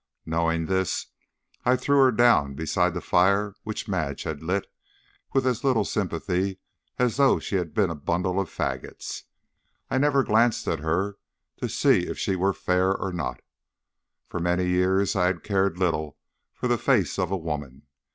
Knowing this, I threw her down beside the fire which Madge had lit, with as little sympathy as though she had been a bundle of fagots. I never glanced at her to see if she were fair or no. For many years I had cared little for the face of a woman.